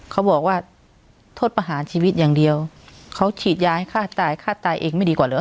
เขาบอกว่าโทษประหารชีวิตอย่างเดียวเขาฉีดยาให้ฆ่าตายฆ่าตายเองไม่ดีกว่าเหรอ